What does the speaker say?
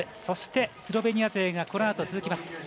そして、スロベニア勢がこのあと続きます。